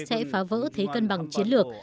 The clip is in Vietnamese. sẽ phá vỡ thế cân bằng chiến lược